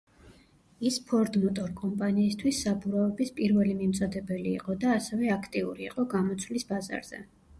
ის ფორდ მოტორ კომპანიისთვის საბურავების პირველი მიმწოდებელი იყო და ასევე აქტიური იყო გამოცვლის ბაზარზე.